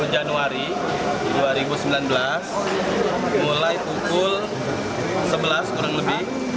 satu januari dua ribu sembilan belas mulai pukul sebelas kurang lebih